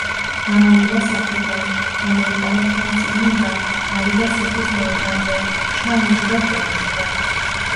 გამოვიდა სახლიდან, გამოიტანა თან წიგნი და გავიდა სოფლის მოედანზე. ჩამოჯდა კუნძზე,